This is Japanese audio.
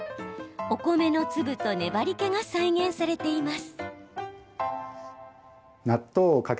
お米の粒と粘りけが再現されています。